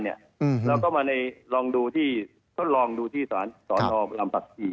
เราก็มาลองดูที่สอนธรรมรัมภักษี